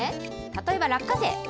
例えば落花生。